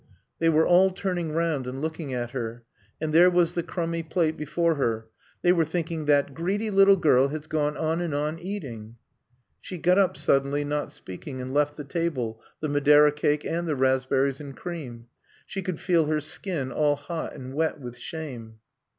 They were all turning round and looking at her. And there was the crumby plate before her. They were thinking: "That greedy little girl has gone on and on eating." She got up suddenly, not speaking, and left the table, the Madeira cake and the raspberries and cream. She could feel her skin all hot and wet with shame.